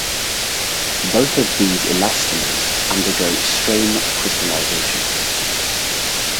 Both of these elastomers undergo strain crystallization.